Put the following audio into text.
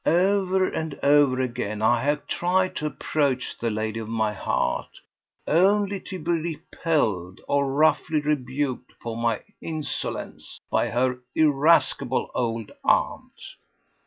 Over and over again have I tried to approach the lady of my heart, only to be repelled or roughly rebuked for my insolence by her irascible old aunt."